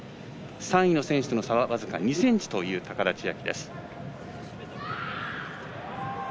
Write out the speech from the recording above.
３位の選手との差は僅か２ｃｍという高田千明。